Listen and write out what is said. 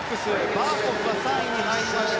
バーコフが３位に入りました。